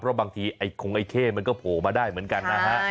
เพราะบางทีไอ้คงไอ้เข้มันก็โผล่มาได้เหมือนกันนะฮะ